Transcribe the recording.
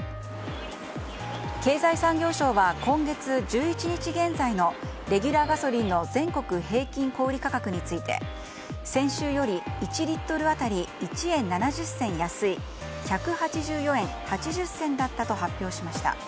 経済産業省は、今月１１日現在のレギュラーガソリンの全国平均小売り価格について先週より１リットル当たり１円７０銭安い１８４円８０銭だったと発表しました。